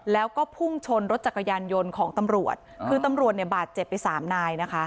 แล้วก็พุ่งชนรถจักรยานยนต์ของตำรวจคือตำรวจเนี่ยบาดเจ็บไปสามนายนะคะ